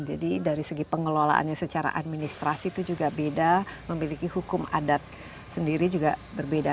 jadi dari segi pengelolaannya secara administrasi itu juga beda memiliki hukum adat sendiri juga berbeda